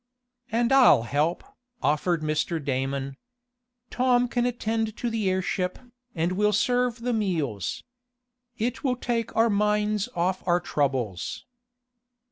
"And I'll help," offered Mr. Damon. "Tom can attend to the airship, and we'll serve the meals. It will take our minds off our troubles."